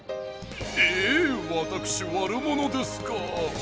ええ⁉わたくしわるものですかあ。